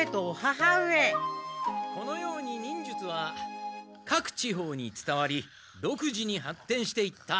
このように忍術は各地方につたわり独自に発展していった。